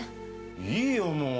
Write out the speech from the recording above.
いいよもう。